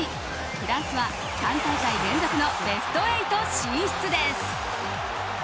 フランスは３大会連続のベスト８進出です。